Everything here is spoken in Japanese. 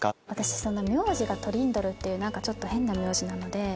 私名字がトリンドルっていう何かちょっと変な名字なので。